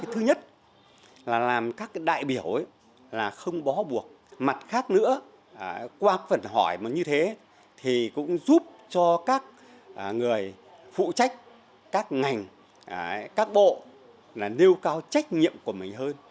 thứ nhất là làm các đại biểu là không bó buộc mặt khác nữa qua phần hỏi như thế thì cũng giúp cho các người phụ trách các ngành các bộ nêu cao trách nhiệm của mình hơn